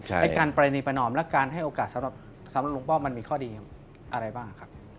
ไอ้การปรณีประนอมและการให้โอกาสสำหรับลุงป้อมมันมีข้อดีอะไรบ้างครับ